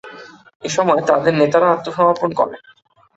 এসময় তাদের নেতারা আত্মসমর্পণ করে।